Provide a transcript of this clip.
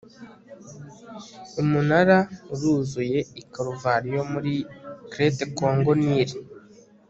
umunara uruzuye i karuvariyo muri crete congo-nil